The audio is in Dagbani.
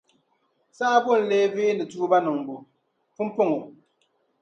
Saha bo n-lee veeni tuuba niŋbu? Pumpɔŋɔ.